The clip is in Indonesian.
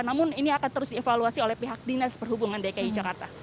namun ini akan terus dievaluasi oleh pihak dinas perhubungan dki jakarta